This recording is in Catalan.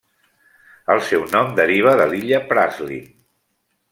El seu nom deriva de l'illa Praslin.